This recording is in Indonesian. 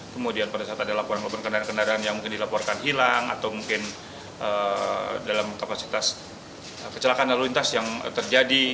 kemudian pada saat ada laporan maupun kendaraan kendaraan yang mungkin dilaporkan hilang atau mungkin dalam kapasitas kecelakaan lalu lintas yang terjadi